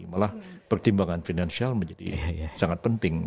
malah pertimbangan finansial menjadi sangat penting